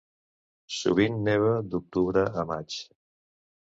Sovint neva d'octubre a maig.